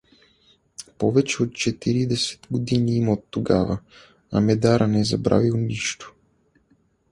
Повече от четиридесет години има оттогава, а Медара не е забравил нищо.